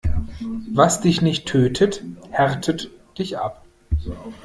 Was dich nicht tötet, härtet dich ab.